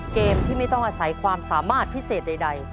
เกมที่ไม่ต้องอาศัยความสามารถพิเศษใด